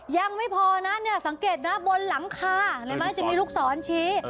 ยังไม่พอนะสังเกตบนหลังคาเลยมั้ยจะมีลูกสอนชี้